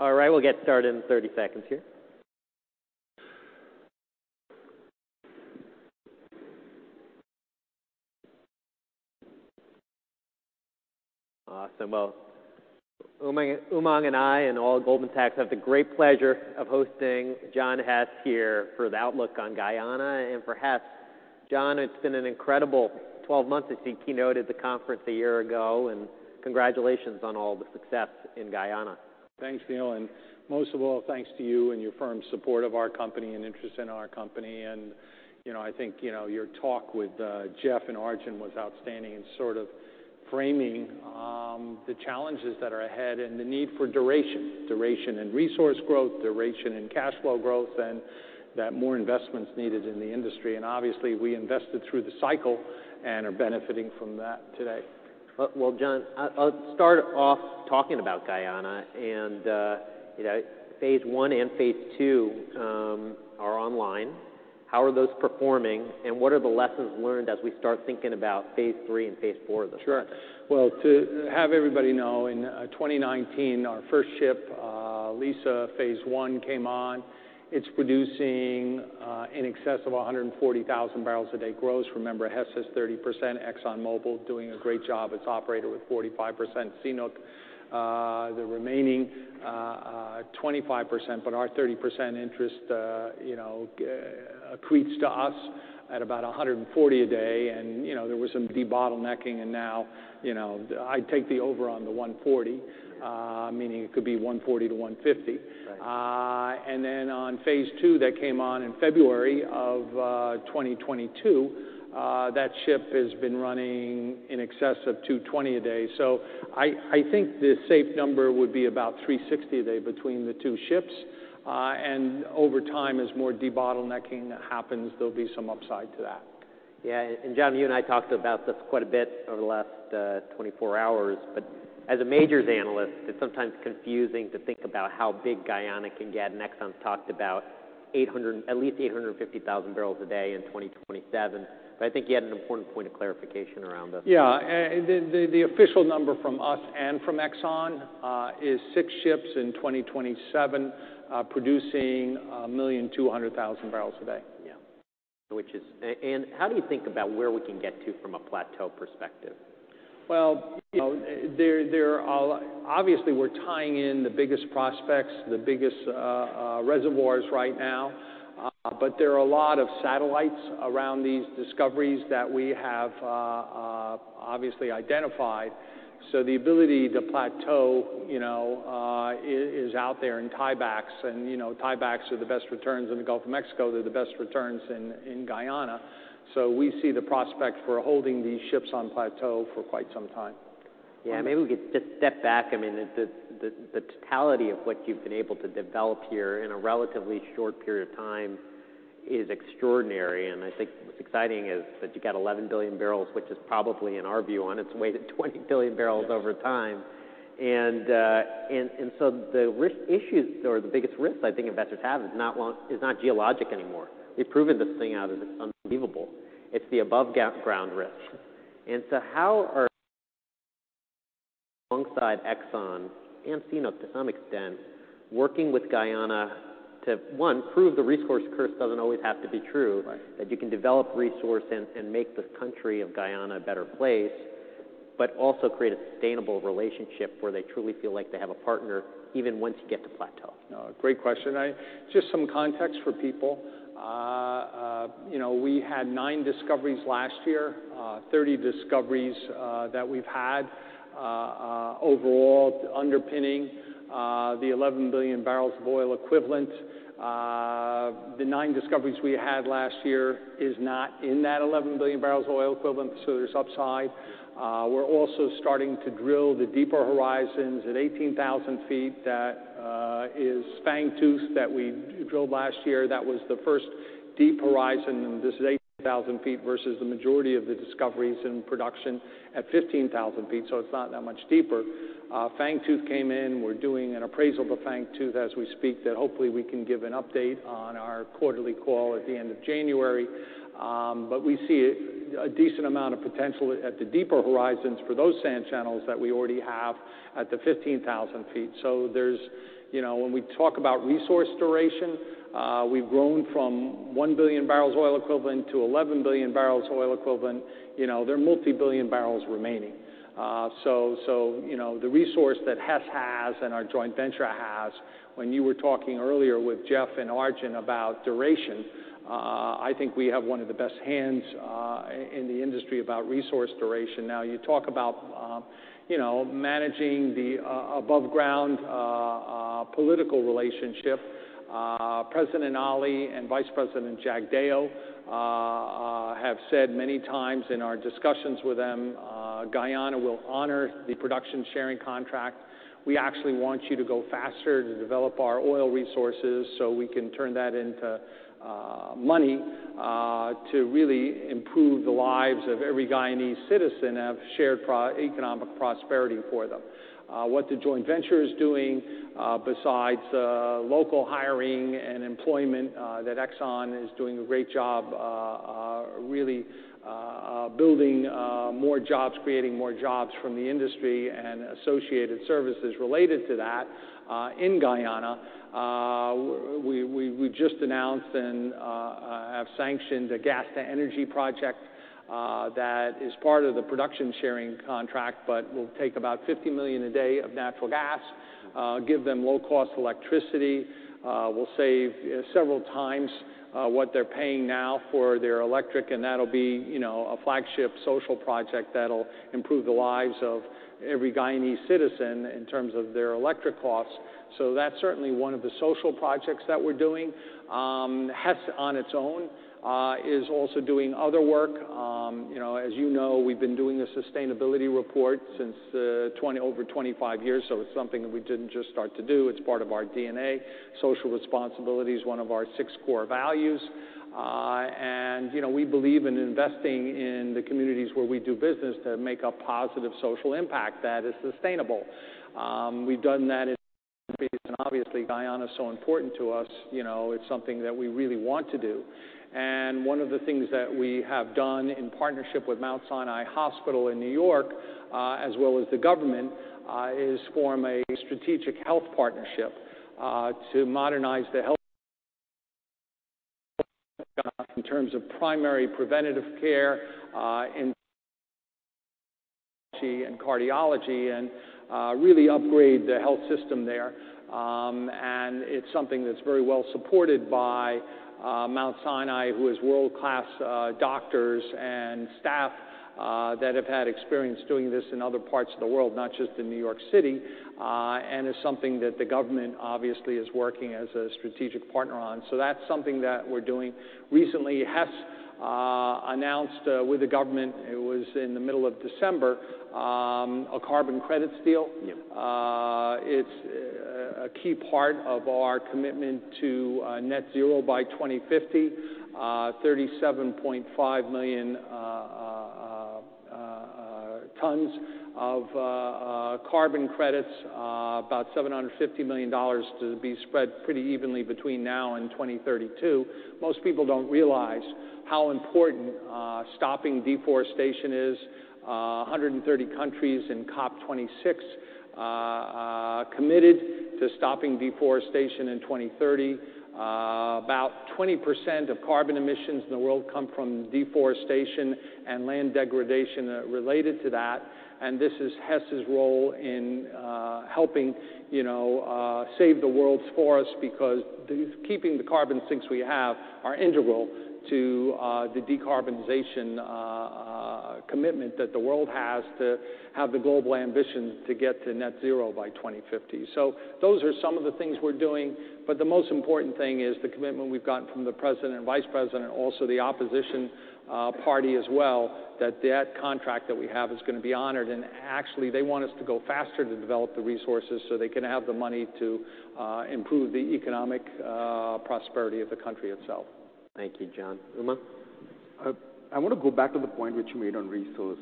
All right, we'll get started in 30 seconds here. Awesome. Umang and I and all Goldman Sachs have the great pleasure of hosting John Hess here for the outlook on Guyana and for Hess. John, it's been an incredible 12 months since he keynoted the conference a year ago, and congratulations on all the success in Guyana. Thanks, Neil. Most of all, thanks to you and your firm's support of our company and interest in our company. You know, I think, you know, your talk with Jeff and Arjun was outstanding in sort of framing the challenges that are ahead and the need for duration. Duration in resource growth, duration in cash flow growth, and that more investment's needed in the industry. Obviously, we invested through the cycle and are benefiting from that today. Well, John, I'll start off talking about Guyana and, you know, Phase 1 and Phase 2, are online. How are those performing, and what are the lessons learned as we start thinking about Phase 3 and Phase 4 of this? Sure. Well, to have everybody know, in 2019, our first ship, Liza, Phase 1, came on. It's producing in excess of 140,000 barrels a day gross. Remember, Hess has 30%, ExxonMobil doing a great job. It's operated with 45%. CNOOC, the remaining 25%. Our 30% interest, you know, accretes to us at about 140 a day. You know, there was some debottlenecking and now, you know, I'd take the over on the 140, meaning it could be $140-$150. Right. On Phase 2, that came on in February of 2022, that ship has been running in excess of 220 a day. I think the safe number would be about 360 a day between the two ships. Over time, as more debottlenecking happens, there'll be some upside to that. Yeah. John, you and I talked about this quite a bit over the last 24 hours, but as a majors analyst, it's sometimes confusing to think about how big Guyana can get. Exxon's talked about at least 850,000 barrels a day in 2027. I think you had an important point of clarification around this. Yeah. The official number from us and from Exxon is six ships in 2027, producing 1.2 million barrels a day. Yeah. How do you think about where we can get to from a plateau perspective? Well, you know, Obviously, we're tying in the biggest prospects, the biggest reservoirs right now, but there are a lot of satellites around these discoveries that we have obviously identified. The ability to plateau, you know, is out there in tiebacks. You know, tiebacks are the best returns in the Gulf of Mexico. They're the best returns in Guyana. We see the prospect for holding these ships on plateau for quite some time. Yeah. Maybe we could just step back. I mean, the, the totality of what you've been able to develop here in a relatively short period of time is extraordinary, I think what's exciting is that you've got 11 billion barrels, which is probably, in our view on its way to 20 billion barrels over time. The risk issues or the biggest risk I think investors have is not geologic anymore. They've proven this thing out that it's unbelievable. It's the above-ground risk. How are... Alongside Exxon, and CNOOC to some extent, working with Guyana to, one, prove the resource curse doesn't always have to be true. Right. You can develop resource and make the country of Guyana a better place, but also create a sustainable relationship where they truly feel like they have a partner even once you get to plateau. No. Great question. Just some context for people. you know, we had nine discoveries last year, 30 discoveries that we've had overall underpinning the 11 billion barrels of oil equivalent. The nine discoveries we had last year is not in that 11 billion barrels of oil equivalent, there's upside. We're also starting to drill the deeper horizons at 18,000 ft. That is Fangtooth that we drilled last year. That was the first deep horizon, this is 18,000 ft versus the majority of the discoveries in production at 15,000 ft, it's not that much deeper. Fangtooth came in. We're doing an appraisal of Fangtooth as we speak that hopefully we can give an update on our quarterly call at the end of January. We see a decent amount of potential at the deeper horizons for those sand channels that we already have at the 15,000 ft. You know, when we talk about resource duration, we've grown from one billion barrels of oil equivalent to 11 billion barrels of oil equivalent. You know, there are multi-billion barrels remaining. You know, the resource that Hess has and our joint venture has, when you were talking earlier with Jeff and Arjun about duration, I think we have one of the best hands in the industry about resource duration. You talk about, you know, managing the above ground political relationship. President Ali and Vice President Jagdeo have said many times in our discussions with them, "Guyana will honor the production sharing contract. We actually want you to go faster to develop our oil resources, so we can turn that into money. To really improve the lives of every Guyanese citizen have shared pro-economic prosperity for them. What the joint venture is doing, besides local hiring and employment, that Exxon is doing a great job, really building more jobs, creating more jobs from the industry and associated services related to that in Guyana. We just announced and have sanctioned a gas-to-energy project that is part of the production sharing contract but will take about $50 million a day of natural gas, give them low-cost electricity. Will save several times what they're paying now for their electric, That'll be, you know, a flagship social project that'll improve the lives of every Guyanese citizen in terms of their electric costs. That's certainly one of the social projects that we're doing. Hess, on its own, is also doing other work. you know, as you know, we've been doing a sustainability report since over 25 years, It's something that we didn't just start to do. It's part of our DNA. Social responsibility is one of our six core values. you know, we believe in investing in the communities where we do business to make a positive social impact that is sustainable. we've done that in and obviously Guyana is so important to us, you know, it's something that we really want to do. One of the things that we have done in partnership with Mount Sinai Hospital in New York, as well as the government, is form a strategic health partnership, to modernize the health in terms of primary preventative care, in and cardiology, and really upgrade the health system there. It's something that's very well supported by Mount Sinai, who is world-class doctors and staff, that have had experience doing this in other parts of the world, not just in New York City, and is something that the government obviously is working as a strategic partner on. That's something that we're doing. Recently, Hess announced with the government, it was in the middle of December, a carbon credits deal. Yeah. It's a key part of our commitment to net zero by 2050. 37.5 million tons of carbon credits, about $750 million to be spread pretty evenly between now and 2032. Most people don't realize how important stopping deforestation is. 130 countries in COP26 committed to stopping deforestation in 2030. About 20% of carbon emissions in the world come from deforestation and land degradation related to that, this is Hess' role in helping, you know, save the world's forests because keeping the carbon sinks we have are integral to the decarbonization commitment that the world has to have the global ambition to get to net zero by 2050. Those are some of the things we're doing. The most important thing is the commitment we've gotten from the President and Vice President, also the opposition party as well, that that contract that we have is gonna be honored. Actually, they want us to go faster to develop the resources so they can have the money to improve the economic prosperity of the country itself. Thank you, John. Umang? I wanna go back to the point which you made on resource.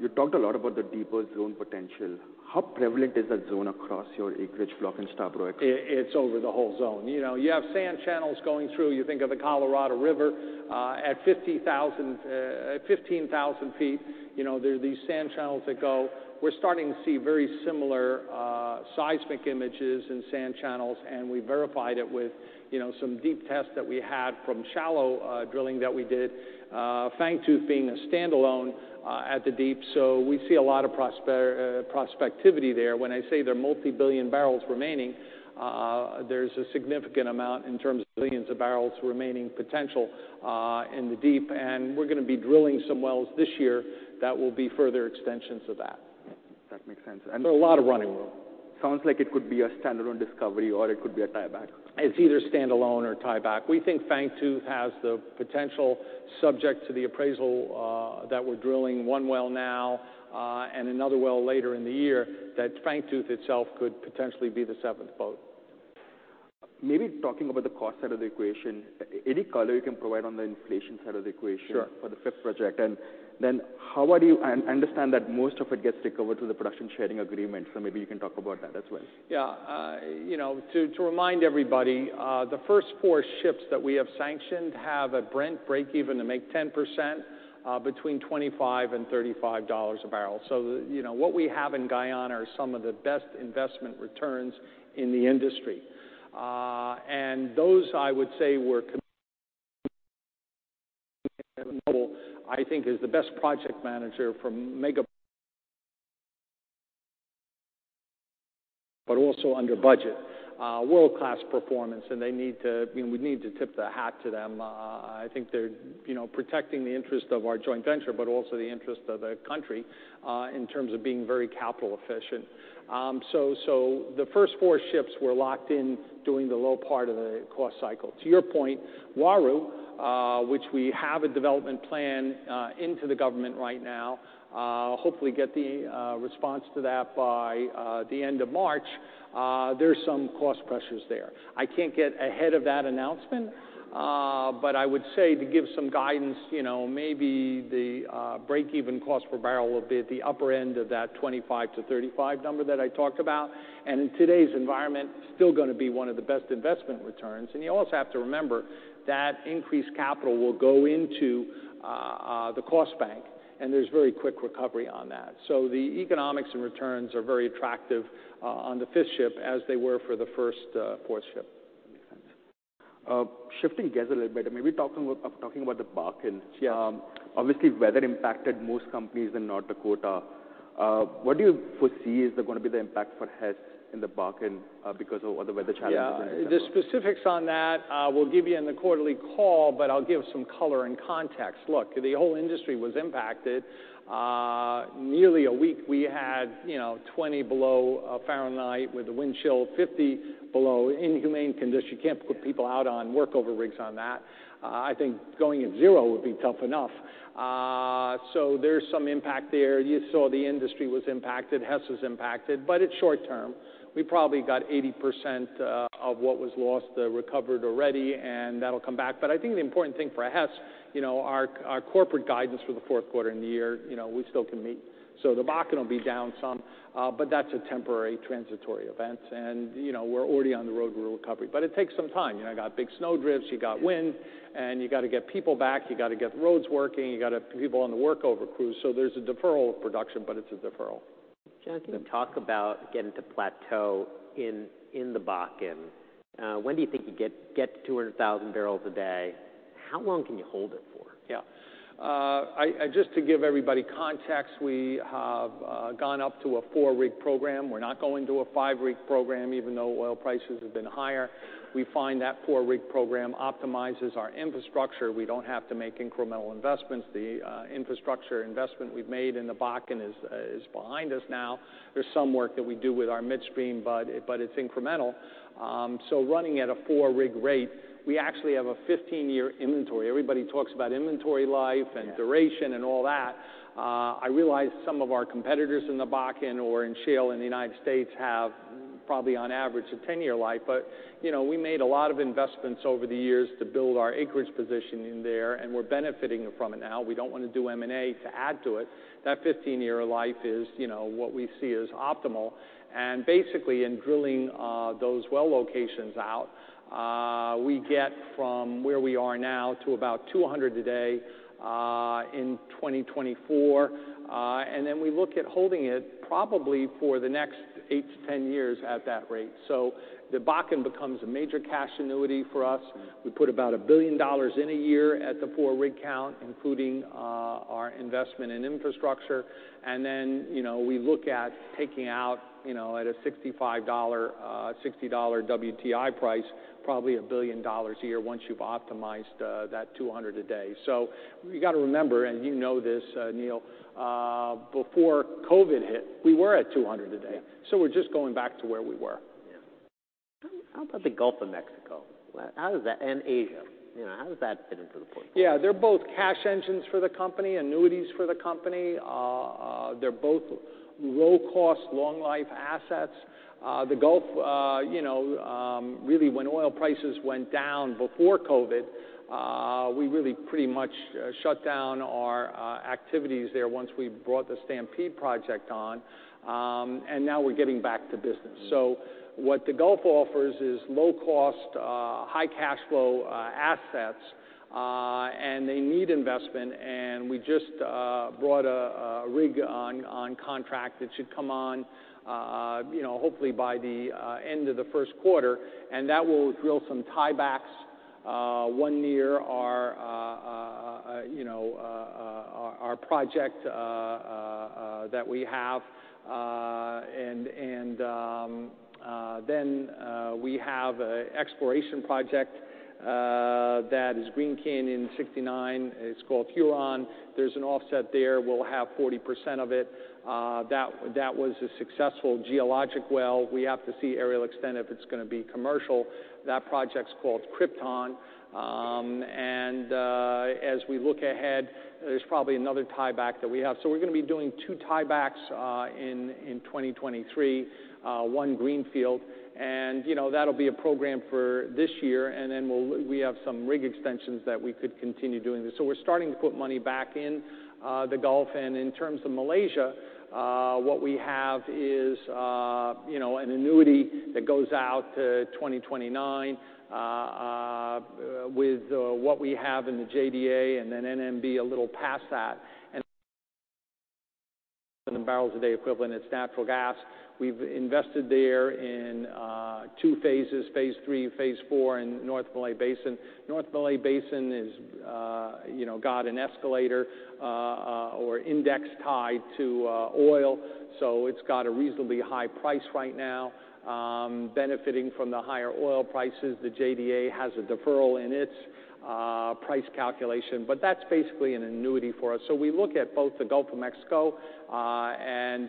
You talked a lot about the deeper zone potential. How prevalent is that zone across your acreage block in Stabroek? It's over the whole zone. You know, you have sand channels going through. You think of the Colorado River at 15,000 ft. You know, there are these sand channels that go. We're starting to see very similar seismic images and sand channels, and we verified it with, you know, some deep tests that we had from shallow drilling that we did. Fangtooth being a standalone at the deep, so we see a lot of prospectivity there. When I say there are multi-billion barrels remaining, there's a significant amount in terms of billions of barrels remaining potential in the deep. We're gonna be drilling some wells this year that will be further extensions of that. That makes sense. There's a lot of running room. Sounds like it could be a standalone discovery or it could be a tieback. It's either standalone or tieback. We think Fangtooth has the potential, subject to the appraisal, that we're drilling one well now, and another well later in the year, that Fangtooth itself could potentially be the seventh boat. Maybe talking about the cost side of the equation, any color you can provide on the inflation side of the equation... Sure. For the fifth project. I understand that most of it gets recovered through the production sharing agreement. Maybe you can talk about that as well. Yeah. You know, to remind everybody, the first four ships that we have sanctioned have a Brent breakeven to make 10%, between $25 and $35 a barrel. You know, what we have in Guyana are some of the best investment returns in the industry. And those, I would say, were I think is the best project manager, but also under budget, world-class performance, and they need to, you know, we need to tip the hat to them. I think they're, you know, protecting the interest of our joint venture, but also the interest of the country, in terms of being very capital-efficient. The first four ships were locked in during the low part of the cost cycle. To your point, Uaru, which we have a development plan, into the government right now, hopefully get the response to that by the end of March. There's some cost pressures there. I can't get ahead of that announcement, but I would say to give some guidance, you know, maybe the break-even cost per barrel will be at the upper end of that $25-$35 number that I talked about. In today's environment, still gonna be one of the best investment returns. You also have to remember that increased capital will go into the cost bank, and there's very quick recovery on that. The economics and returns are very attractive on the fifth ship as they were for the first four ships. Shifting gears a little bit, maybe talking about the Bakken. Yeah. Obviously, weather impacted most companies in North Dakota. What do you foresee is there gonna be the impact for Hess in the Bakken, because of all the weather challenges in that sector? Yeah. The specifics on that, we'll give you in the quarterly call, but I'll give some color and context. Look, the whole industry was impacted, nearly a week. We had, you know, 20 below Fahrenheit with a wind chill of 50 below. Inhumane condition. You can't put people out on work over rigs on that. I think going in zero would be tough enough. There's some impact there. You saw the industry was impacted, Hess was impacted, but it's short term. We probably got 80% of what was lost, recovered already, and that'll come back. I think the important thing for Hess, you know, our corporate guidance for the fourth quarter and the year, you know, we still can meet. The Bakken will be down some, but that's a temporary transitory event. You know, we're already on the road to recovery. It takes some time. You know, you got big snow drifts, you got wind, and you gotta get people back, you gotta get roads working, you gotta put people on the work over crews. There's a deferral of production, but it's a deferral. John, can you talk about getting to plateau in the Bakken? When do you think you get to 200,000 barrels a day? How long can you hold it for? Yeah. Just to give everybody context, we have gone up to a four-rig program. We're not going to a five-rig program, even though oil prices have been higher. We find that four-rig program optimizes our infrastructure. We don't have to make incremental investments. The infrastructure investment we've made in the Bakken is behind us now. There's some work that we do with our midstream, but it's incremental. Running at a four-rig rate, we actually have a 15-year inventory. Everybody talks about inventory life and duration and all that. I realize some of our competitors in the Bakken or in shale in the United States have probably on average a 10-year life. You know, we made a lot of investments over the years to build our acreage position in there, and we're benefiting from it now. We don't wanna do M&A to add to it. That 15-year life is, you know, what we see as optimal. Basically, in drilling those well locations out, we get from where we are now to about 200 a day in 2024. Then we look at holding it probably for the next eight to 10 years at that rate. The Bakken becomes a major cash annuity for us. We put about $1 billion in a year at the four-rig count, including our investment in infrastructure. Then, you know, we look at taking out, you know, at a $65, $60 WTI price, probably $1 billion a year once you've optimized that 200 a day. You gotta remember, and you know this, Neil, before COVID hit, we were at 200 a day. Yeah. We're just going back to where we were. Yeah. How about the Gulf of Mexico? Asia. You know, how does that fit into the portfolio? Yeah. They're both cash engines for the company, annuities for the company. They're both low cost, long life assets. The Gulf, you know, really when oil prices went down before COVID, we really pretty much shut down our activities there once we brought the Stampede project on. Now we're getting back to business. What the Gulf offers is low cost, high cash flow assets, and they need investment. We just brought a rig on contract that should come on, you know, hopefully by the end of the first quarter. That will drill some tiebacks, one near our, you know, our project that we have. We have an exploration project that is Green Canyon Block 69. It's called Huron. There's an offset there. We'll have 40% of it. That was a successful geologic well. We have to see aerial extent if it's gonna be commercial. That project's called Krypton. As we look ahead, there's probably another tieback that we have. We're gonna be doing two tiebacks in 2023, one greenfield. You know, that'll be a program for this year, and then we have some rig extensions that we could continue doing this. We're starting to put money back in the Gulf. In terms of Malaysia, what we have is, you know, an annuity that goes out to 2029, with what we have in the JDA, and then NMB a little past that. In the barrels a day equivalent, it's natural gas. We've invested there in two phases, Phase 3, Phase 4 in North Malay Basin. North Malay Basin is, you know, got an escalator, or index tied to oil, so it's got a reasonably high price right now, benefiting from the higher oil prices. The JDA has a deferral in its price calculation, but that's basically an annuity for us. We look at both the Gulf of Mexico and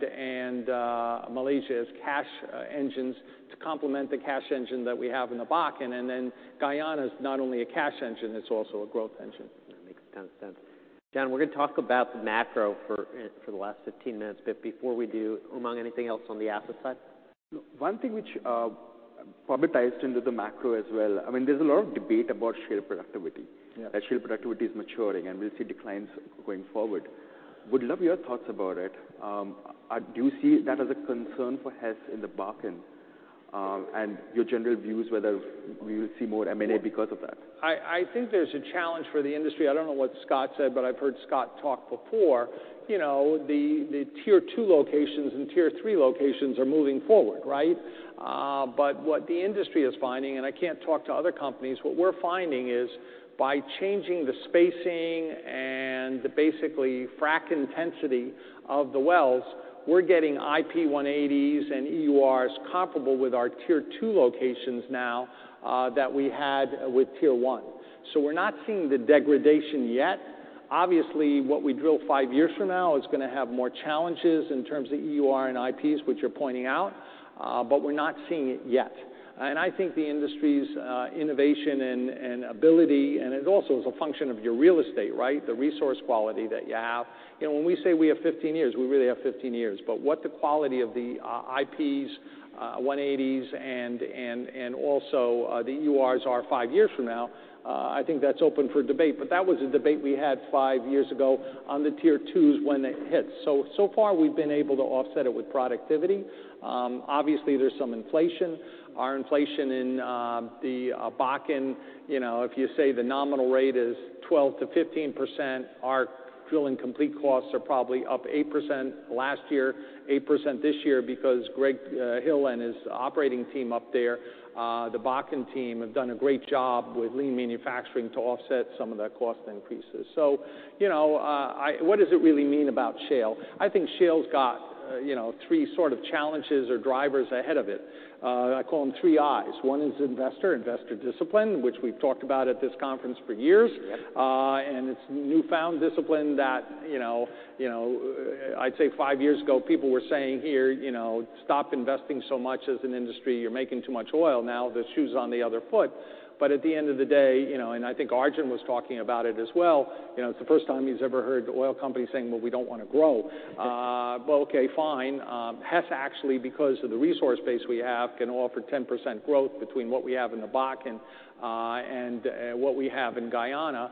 Malaysia's cash engines to complement the cash engine that we have in the Bakken. Guyana is not only a cash engine, it's also a growth engine. That makes a ton of sense. John, we're gonna talk about the macro for the last 15 minutes. Before we do, Umang, anything else on the asset side? One thing which publicized into the macro as well, I mean, there's a lot of debate about share productivity. Yeah. That share productivity is maturing, and we'll see declines going forward. Would love your thoughts about it. Do you see that as a concern for Hess in the Bakken, and your general views whether we will see more M&A because of that? I think there's a challenge for the industry. I don't know what Scott said, but I've heard Scott talk before. You know, the Tier 2 locations and tier three locations are moving forward, right? But what the industry is finding, and I can't talk to other companies, what we're finding is by changing the spacing and the basically frack intensity of the wells, we're getting IP180s and EURs comparable with our Tier 2 locations now, that we had with Tier 1. We're not seeing the degradation yet. Obviously, what we drill five years from now is gonna have more challenges in terms of EUR and IPs, which you're pointing out, but we're not seeing it yet. I think the industry's innovation and ability, and it also is a function of your real estate, right? The resource quality that you have. You know, when we say we have 15 years, we really have 15 years. But what the quality of the IP180s and also the EURs are five years from now, I think that's open for debate. That was a debate we had five years ago on the Tier 2s when it hit. So far we've been able to offset it with productivity. Obviously there's some inflation. Our inflation in the Bakken, you know, if you say the nominal rate is 12%-15%, our drill and complete costs are probably up 8% last year, 8% this year because Greg Hill and his operating team up there, the Bakken team have done a great job with lean manufacturing to offset some of the cost increases. You know, what does it really mean about shale? I think shale's got, you know, three sort of challenges or drivers ahead of it. I call them three Is. One is investor discipline, which we've talked about at this conference for years. Yep. It's newfound discipline that, you know, I'd say five years ago, people were saying here, you know, "Stop investing so much as an industry. You're making too much oil." Now the shoe's on the other foot. At the end of the day, you know, I think Arjun was talking about it as well, you know, it's the first time he's ever heard oil companies saying, "Well, we don't wanna grow." Well, okay, fine. Hess actually, because of the resource base we have, can offer 10% growth between what we have in the Bakken and what we have in Guyana.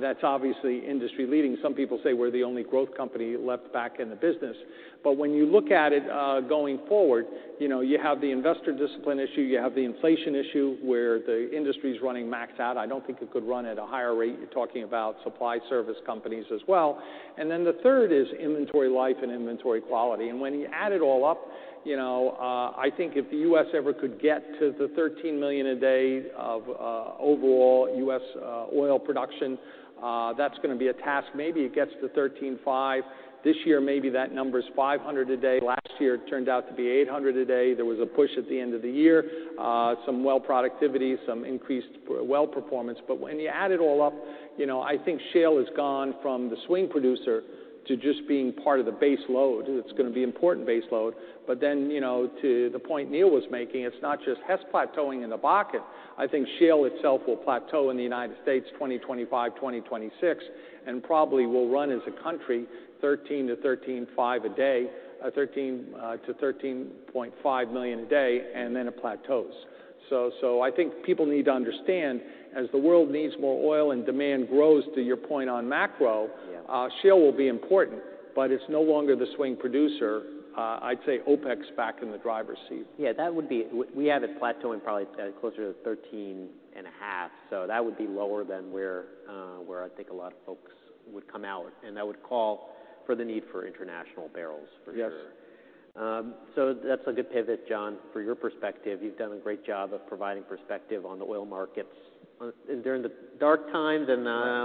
That's obviously industry leading. Some people say we're the only growth company left back in the business. When you look at it, you know, you have the investor discipline issue, you have the inflation issue, where the industry's running maxed out. I don't think it could run at a higher rate. You're talking about supply service companies as well. The third is inventory life and inventory quality. When you add it all up, you know, I think if the U.S. ever could get to the 13 million a day of overall U.S. oil production, that's gonna be a task. Maybe it gets to 13.5 this year. Maybe that number's 500 a day. Last year, it turned out to be 800 a day. There was a push at the end of the year, some well productivity, some increased well performance. When you add it all up, you know, I think shale has gone from the swing producer to just being part of the base load. It's gonna be important base load. Then, you know, to the point Neil was making, it's not just Hess plateauing in the Bakken. I think shale itself will plateau in the United States, 2025, 2026, and probably will run as a country 13 million-13.5 million a day and then it plateaus. I think people need to understand, as the world needs more oil and demand grows to your point on macro. Yeah. Shale will be important, but it's no longer the swing producer. I'd say OPEC's back in the driver's seat. Yeah, we have it plateauing probably at closer to 13.5. That would be lower than where I think a lot of folks would come out, and that would call for the need for international barrels for sure. Yes. That's a good pivot, John. For your perspective, you've done a great job of providing perspective on the oil markets during the dark times and. Right.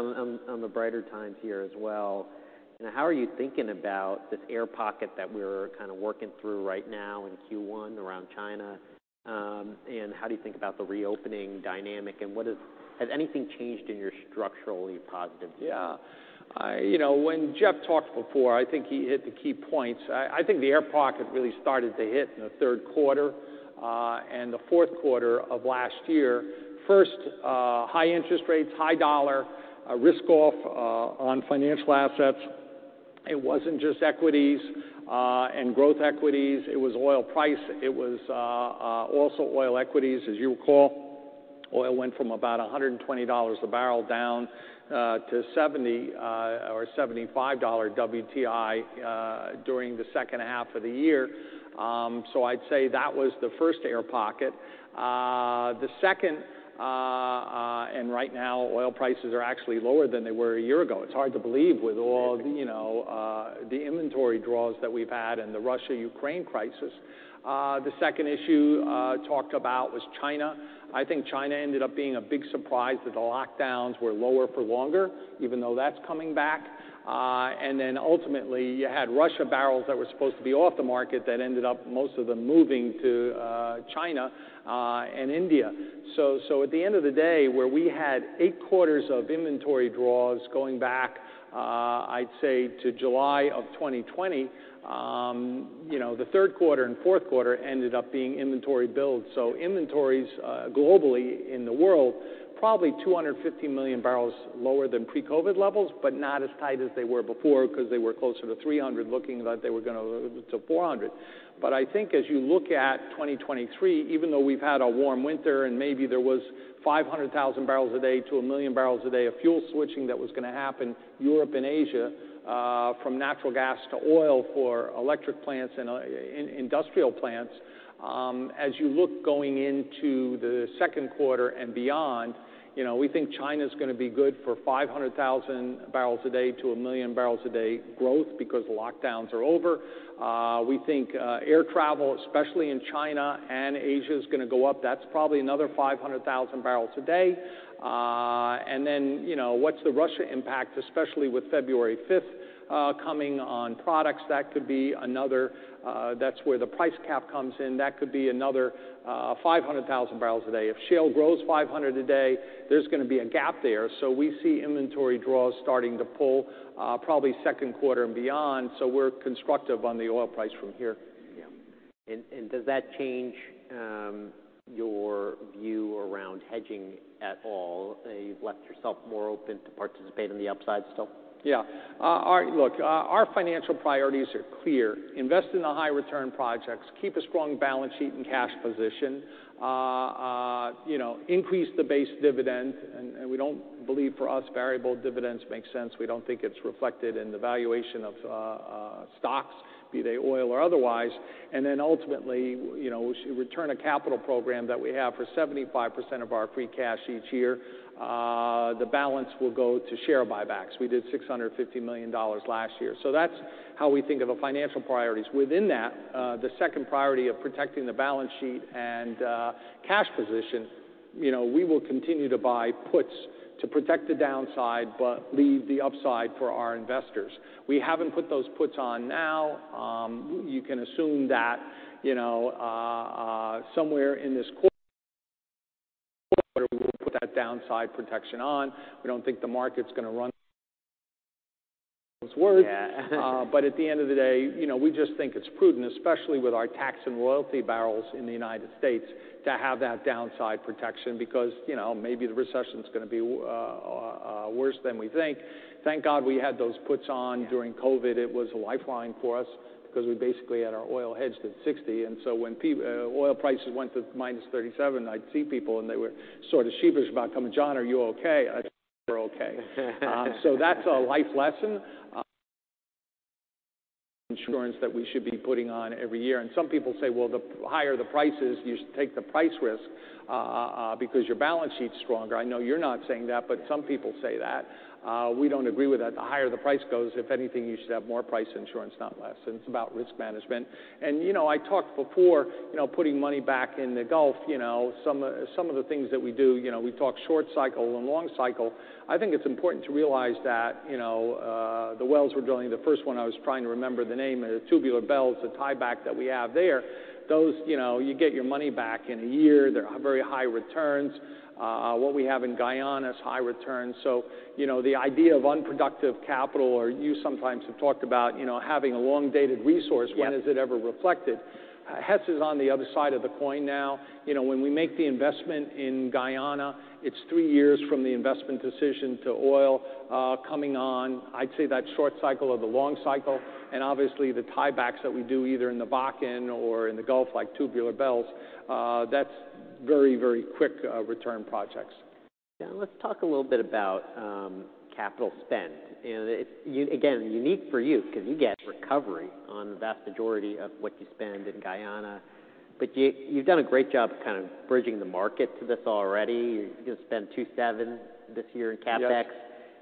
On the brighter times here as well. How are you thinking about this air pocket that we're kinda working through right now in Q1 around China, and how do you think about the reopening dynamic, has anything changed in your structural positive? Yeah. You know, when Jeff talked before, I think he hit the key points. I think the air pocket really started to hit in the third quarter and the fourth quarter of last year. First, high interest rates, high dollar, risk off, on financial assets. It wasn't just equities and growth equities. It was oil price. It was also oil equities. As you recall, oil went from about $120 a barrel down to $70 or $75 WTI during the second half of the year. I'd say that was the first air pocket. The second. Right now, oil prices are actually lower than they were a year ago. It's hard to believe with all the, you know, the inventory draws that we've had and the Russia-Ukraine crisis. The second issue talked about was China. I think China ended up being a big surprise that the lockdowns were lower for longer, even though that's coming back. Ultimately, you had Russia barrels that were supposed to be off the market that ended up most of them moving to China and India. At the end of the day, where we had eight quarters of inventory draws going back, I'd say to July of 2020, you know, the third quarter and fourth quarter ended up being inventory builds. Inventories globally in the world, probably 250 million barrels lower than pre-COVID levels, but not as tight as they were before 'cause they were closer to 300 looking that they were gonna to 400. I think as you look at 2023, even though we've had a warm winter and maybe there was 500,000 barrels a day to one million barrels a day of fuel switching that was gonna happen, Europe and Asia, from natural gas to oil for electric plants and industrial plants. As you look going into the second quarter and beyond, you know, we think China's gonna be good for 500,000 barrels a day to one million barrels a day growth because lockdowns are over. We think air travel, especially in China and Asia, is gonna go up. That's probably another 500,000 barrels a day. Then, you know, what's the Russia impact, especially with February 5th coming on products? That could be another. That's where the price cap comes in. That could be another 500,000 barrels a day. If shale grows 500 a day, there's gonna be a gap there. We see inventory draws starting to pull, probably second quarter and beyond. We're constructive on the oil price from here. Yeah. Does that change your view around hedging at all? You've left yourself more open to participate in the upside still? Yeah. Look, our financial priorities are clear. Invest in the high return projects, keep a strong balance sheet and cash position, you know, increase the base dividend. We don't believe for us, variable dividends make sense. We don't think it's reflected in the valuation of stocks, be they oil or otherwise. Ultimately, you know, return a capital program that we have for 75% of our free cash each year. The balance will go to share buybacks. We did $650 million last year. That's how we think of a financial priorities. Within that, the second priority of protecting the balance sheet and cash position, you know, we will continue to buy puts to protect the downside, but leave the upside for our investors. We haven't put those puts on now. You can assume that, you know, somewhere in this quarter, we'll put that downside protection on. We don't think the market's gonna run Yeah. At the end of the day, you know, we just think it's prudent, especially with our tax and royalty barrels in the United States, to have that downside protection because, you know, maybe the recession is gonna be worse than we think. Thank God we had those puts on during COVID. It was a lifeline for us because we basically had our oil hedged at $60. When oil prices went to minus $37, I'd see people, and they were sort of sheepish about coming, "John, are you okay?" I'd say, "We're okay." That's a life lesson. Insurance that we should be putting on every year. Some people say, "Well, the higher the prices, you should take the price risk because your balance sheet's stronger." I know you're not saying that, but some people say that. We don't agree with that. The higher the price goes, if anything, you should have more price insurance, not less. It's about risk management. I talked before, you know, putting money back in the Gulf, you know. Some of the things that we do, you know, we talk short cycle and long cycle. I think it's important to realize that, you know, the wells we're drilling, the first one I was trying to remember the name, Tubular Bells, the tieback that we have there. Those, you know, you get your money back in a year. They're very high returns. What we have in Guyana is high returns. The idea of unproductive capital or you sometimes have talked about, you know, having a long-dated resource. Yeah. When is it ever reflected? Hess is on the other side of the coin now. You know, when we make the investment in Guyana, it's three years from the investment decision to oil, coming on. I'd say that short cycle or the long cycle, obviously the tiebacks that we do either in the Bakken or in the Gulf, like Tubular Bells, that's very, very quick, return projects. Yeah. Let's talk a little bit about capital spend. It's again, unique for you because you get recovery on the vast majority of what you spend in Guyana. You, you've done a great job of kind of bridging the market to this already. You're gonna spend $2.7 billion this year in CapEx.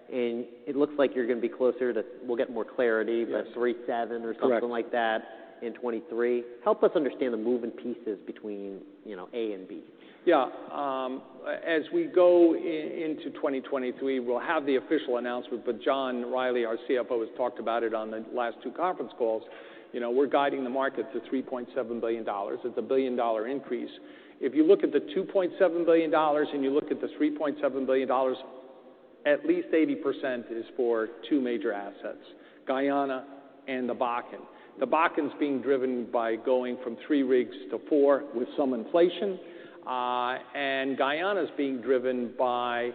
Yes. We'll get more clarity. Yeah. But $3.7 billion or something like that. Correct. In 2023. Help us understand the moving pieces between, you know, A and B. Yeah. As we go into 2023, we'll have the official announcement, but John Reilly, our CFO, has talked about it on the last two conference calls. You know, we're guiding the market to $3.7 billion. It's a billion dollar increase. If you look at the $2.7 billion and you look at the $3.7 billion, at least 80% is for two major assets, Guyana and the Bakken. The Bakken's being driven by going from three rigs to four with some inflation. And Guyana's being driven by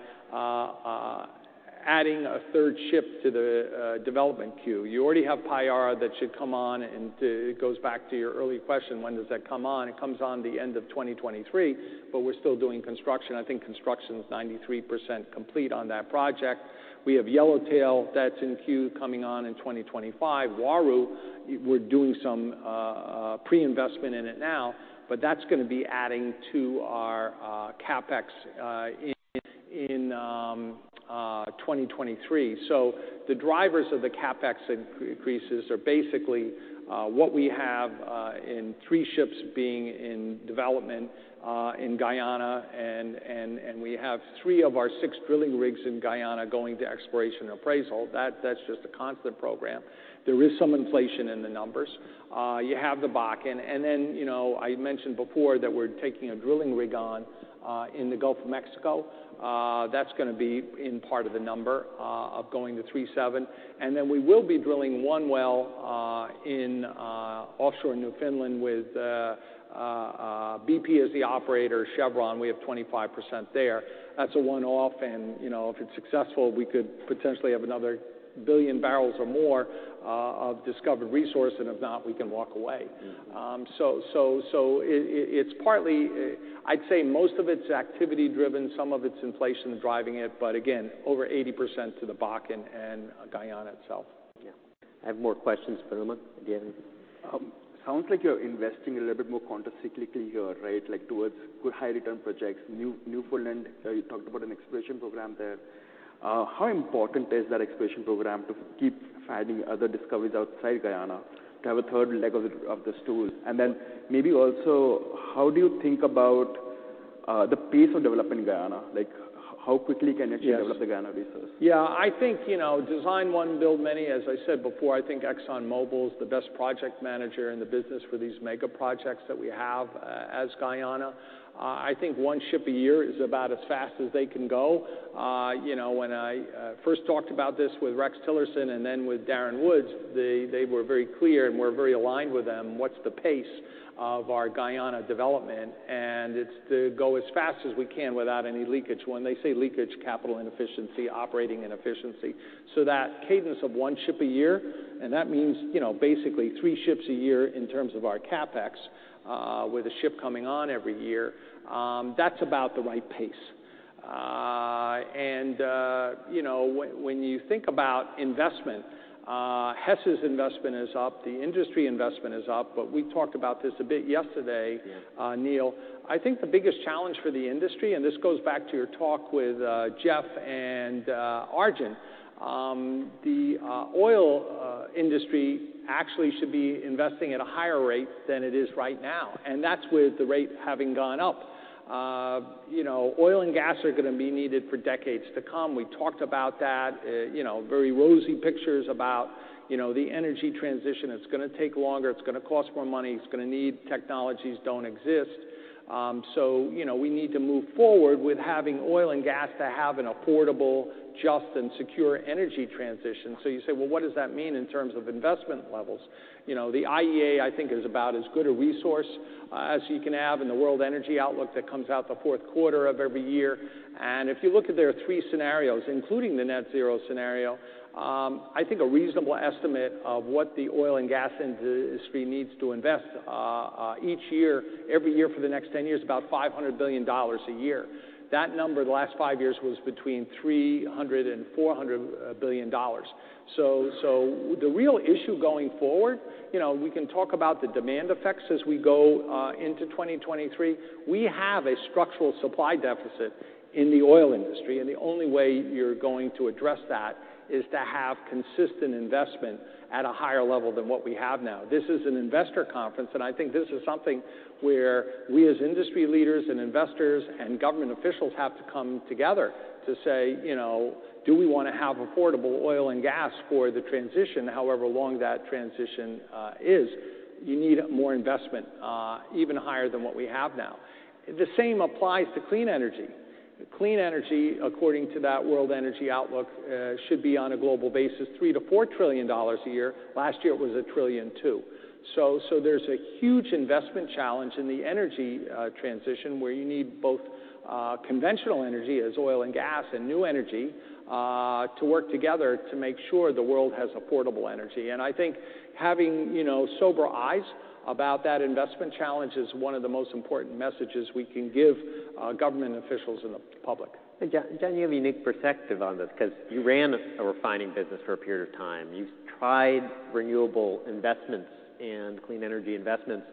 adding a third ship to the development queue. You already have Payara that should come on and it goes back to your earlier question, when does that come on? It comes on the end of 2023, but we're still doing construction. I think construction is 93% complete on that project. We have Yellowtail that's in queue coming on in 2025. Uaru, we're doing some pre-investment in it now. That's gonna be adding to our CapEx in 2023. The drivers of the CapEx increases are basically what we have in three ships being in development in Guyana and we have three of our six drilling rigs in Guyana going to exploration appraisal. That's just a constant program. There is some inflation in the numbers. You have the Bakken. You know, I mentioned before that we're taking a drilling rig on in the Gulf of Mexico. That's gonna be in part of the number of going to $3.7 billion. We will be drilling one well in offshore Newfoundland with BP as the operator, Chevron. We have 25% there. That's a one-off and, you know, if it's successful, we could potentially have another one billion barrels or more of discovered resource, and if not, we can walk away. Mm-hmm. It's partly, I'd say most of it's activity-driven, some of it's inflation driving it, but again, over 80% to the Bakken and Guyana itself. Yeah. I have more questions. Umang, go ahead. Sounds like you're investing a little bit more countercyclically here, right? Like towards good high return projects. Newfoundland, you talked about an exploration program there. How important is that exploration program to keep finding other discoveries outside Guyana to have a third leg of the, of the stool? Then maybe also, how do you think about the pace of developing Guyana? Like how quickly can you. Yes. Develop the Guyana resource? Yeah. I think, you know, design one, build many. As I said before, I think ExxonMobil is the best project manager in the business for these mega projects that we have as Guyana. I think one ship a year is about as fast as they can go. You know, when I first talked about this with Rex Tillerson and then with Darren Woods, they were very clear, and we're very aligned with them, what's the pace of our Guyana development, and it's to go as fast as we can without any leakage. When they say leakage, capital inefficiency, operating inefficiency. That cadence of 1 ship a year, and that means, you know, basically three ships a year in terms of our CapEx, with a ship coming on every year, that's about the right pace. You know, when you think about investment, Hess's investment is up, the industry investment is up, but we talked about this a bit yesterday. Yeah. Neil. I think the biggest challenge for the industry, this goes back to your talk with Jeff and Arjun, the oil industry actually should be investing at a higher rate than it is right now, and that's with the rate having gone up. You know, oil and gas are gonna be needed for decades to come. We talked about that, you know, very rosy pictures about, you know, the energy transition. It's gonna take longer, it's gonna cost more money, it's gonna need technologies don't exist. So, you know, we need to move forward with having oil and gas to have an affordable, just, and secure energy transition. You say, "Well, what does that mean in terms of investment levels?" You know, the IEA, I think, is about as good a resource as you can have in the World Energy Outlook that comes out the fourth quarter of every year. If you look at their three scenarios, including the net zero scenario, I think a reasonable estimate of what the oil and gas industry needs to invest each year, every year for the next 10 years is about $500 billion a year. That number the last five years was between $300 billion and $400 billion. The real issue going forward, you know, we can talk about the demand effects as we go into 2023. We have a structural supply deficit in the oil industry. The only way you're going to address that is to have consistent investment at a higher level than what we have now. This is an investor conference. I think this is something where we as industry leaders and investors and government officials have to come together to say, you know, do we wanna have affordable oil and gas for the transition, however long that transition is? You need more investment, even higher than what we have now. The same applies to clean energy. Clean energy, according to that World Energy Outlook, should be on a global basis $3 trillion-$4 trillion a year. Last year it was $1 trillion too. There's a huge investment challenge in the energy transition, where you need both conventional energy as oil and gas and new energy to work together to make sure the world has affordable energy. I think having, you know, sober eyes about that investment challenge is one of the most important messages we can give government officials and the public. John, you have a unique perspective on this 'cause you ran a refining business for a period of time. You tried renewable investments and clean energy investments,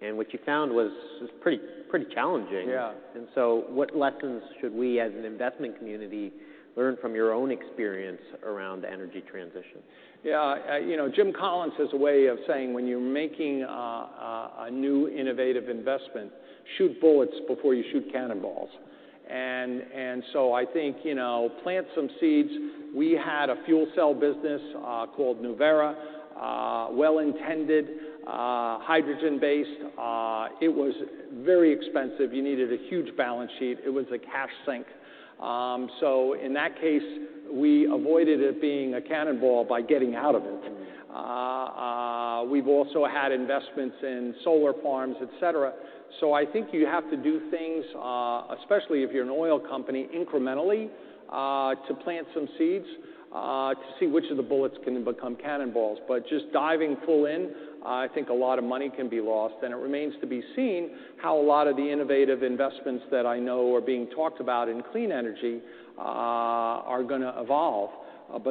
and what you found was pretty challenging. Yeah. What lessons should we as an investment community learn from your own experience around energy transition? Yeah. you know, Jim Collins has a way of saying, when you're making a new innovative investment, shoot bullets before you shoot cannonballs. I think, you know, plant some seeds. We had a fuel cell business called Nuvera, well-intended, hydrogen-based. It was very expensive. You needed a huge balance sheet. It was a cash sink. In that case, we avoided it being a cannonball by getting out of it. We've also had investments in solar farms, et cetera. I think you have to do things, especially if you're an oil company, incrementally, to plant some seeds, to see which of the bullets can become cannonballs. Just diving full in, I think a lot of money can be lost, and it remains to be seen how a lot of the innovative investments that I know are being talked about in clean energy, are gonna evolve.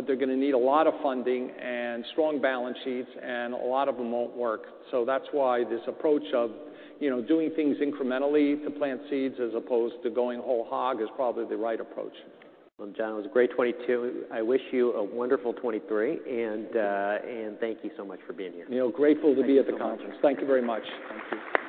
They're gonna need a lot of funding and strong balance sheets, and a lot of them won't work. That's why this approach of, you know, doing things incrementally to plant seeds as opposed to going whole hog is probably the right approach. Well, John, it was a great 2022. I wish you a wonderful 2023 and thank you so much for being here. Neil, grateful to be at the conference. Thank you. Thank you very much. Thank you.